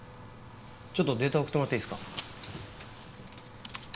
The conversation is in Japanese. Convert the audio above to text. ちょっとデータ送ってもらっていいですか？